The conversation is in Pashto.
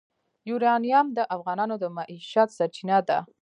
یورانیم د افغانانو د معیشت سرچینه ده.